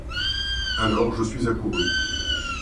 Alors, je suis accourue.